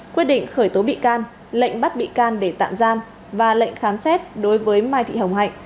quyết định khởi tố bị can lệnh bắt bị can để tạm giam và lệnh khám xét đối với mai thị hồng hạnh